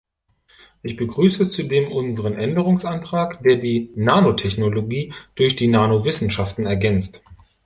Ich begrüße zudem unseren Änderungsantrag, der die Nanotechnologie durch die Nanowissenschaften ergänzt.